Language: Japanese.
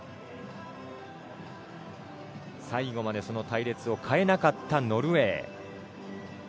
最後まで隊列を変えなかったノルウェー。